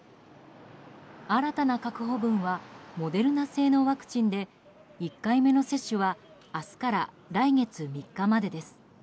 新たな確保分はモデルナ製のワクチンで１回目の接種は明日から来月３日までです。